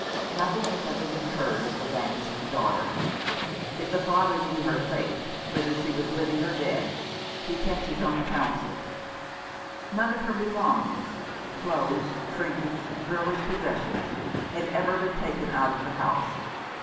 Nothing had ever been heard of the vanished daughter. If the father knew her fate — whether she were living or dead — he kept his own counsel. None of her belongings — clothes, trinkets, girlish possessions — had ever been taken out of the house.